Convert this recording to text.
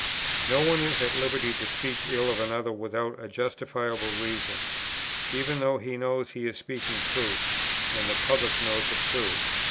No one is at liberty to speak ill of another without a justifiable reason, even though he knows he is speaking truth, and the public knows it too.